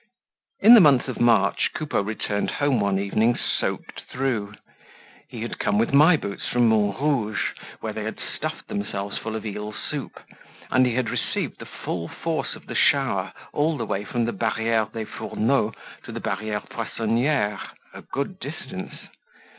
In the month of March Coupeau returned home one evening soaked through. He had come with My Boots from Montrouge, where they had stuffed themselves full of eel soup, and he had received the full force of the shower all the way from the Barriere des Fourneaux to the Barriere Poissonniere, a good distance.